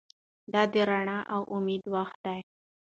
دا د رڼا او امید وخت دی.